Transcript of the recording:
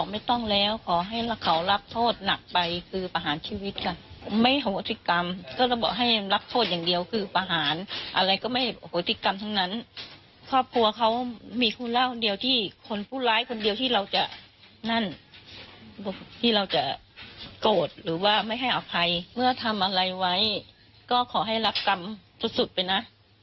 เมื่อทำอะไรไว้ก็ขอให้รับกรรมสุดไปนะ